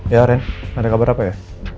ya ren ada kabar apa ya